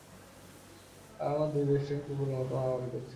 আর আমার দুই best friend কুকুরের মতো মারামারি করছে!